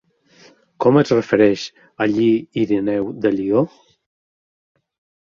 Com es refereix a Lli Ireneu de Lió?